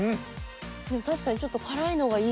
確かにちょっと辛いのがいいですね。